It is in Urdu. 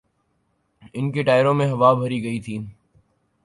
ان کے ٹائروں میں ہوا بھری گئی تھی۔